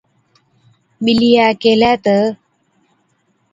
ٻِلِيئَي ڪيهلَي تہ،